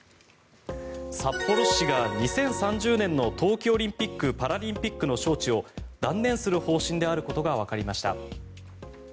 札幌市が２０３０年の冬季オリンピック・パラリンピックの招致を断念する方針であることがわかりました。